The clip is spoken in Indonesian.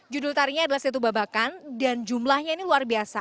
judul tarinya adalah setubabakan dan jumlahnya ini luar biasa